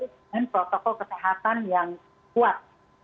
dengan protokol kesehatan yang kuat